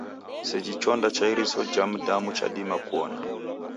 Seji chonda cha iriso ja mdamu chadima kuona.